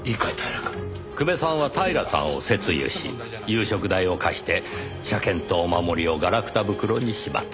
久米さんは平さんを説諭し夕食代を貸して車券とお守りをガラクタ袋にしまった。